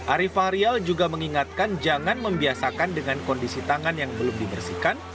arifah rial juga mengingatkan jangan membiasakan dengan kondisi tangan yang belum dibersihkan